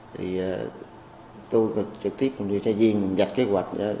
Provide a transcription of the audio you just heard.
thì tôi trực tiếp đi thái duyên dạy kế hoạch